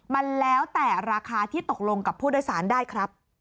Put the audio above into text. มันแล้วแต่ราคาที่ตกลงกับผู้โดยสารได้ครับ